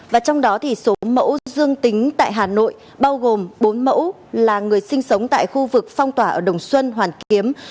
và trong đó số mẫu dương tính tại hà nội bao gồm bốn mẫu là người sinh sống tại khu vực phong tỏa ở đồng xuân hoàn kiếm